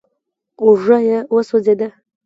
اوږه يې وسوځېده.